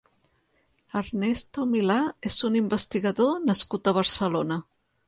Ernesto Milá és un investigador nascut a Barcelona.